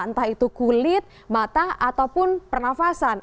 entah itu kulit mata ataupun pernafasan